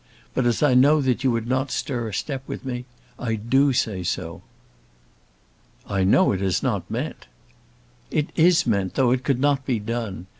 But as I know that you would not stir a step with me, I do say so." "I know it is not meant." "It is meant, though it could not be done.